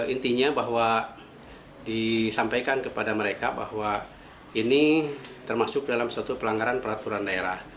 intinya bahwa disampaikan kepada mereka bahwa ini termasuk dalam suatu pelanggaran peraturan daerah